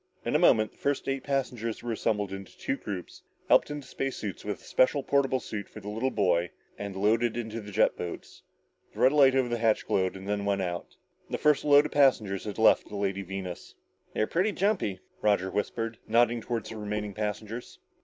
In a moment, the first eight passengers were assembled into two groups, helped into space suits, with a special portable suit for the little boy, and loaded in the jet boats. The red light over the hatch glowed, then went out. The first load of passengers had left the Lady Venus. "They're pretty jumpy," Roger whispered, nodding toward the remaining passengers.